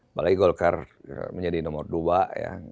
apalagi golkar menjadi nomor dua ya